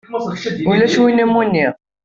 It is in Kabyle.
Ulac win i wumi nniɣ.